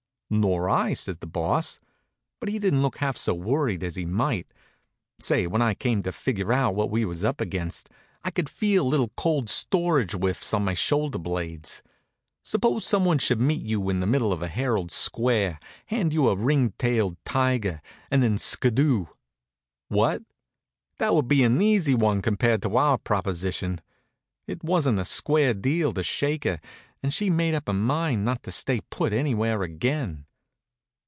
"Nor I," says the Boss. But he didn't look half so worried as he might. Say, when I came to figure out what we were up against, I could feel little cold storage whiffs on my shoulder blades. Suppose someone should meet you in the middle of Herald Square, hand you a ring tailed tiger, and then skiddoo. What? That would be an easy one compared to our proposition. It wasn't a square deal to shake her, and she'd made up her mind not to stay put anywhere again.